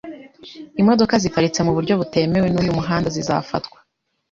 Imodoka ziparitse mu buryo butemewe n’uyu muhanda zizafatwa .